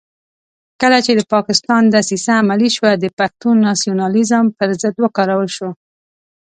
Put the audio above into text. کله چې د پاکستان دسیسه عملي شوه د پښتون ناسیونالېزم پر ضد وکارول شو.